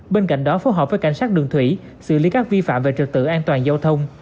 bên cạnh đó phối hợp với cảnh sát đường thủy xử lý các vi phạm về trực tự an toàn giao thông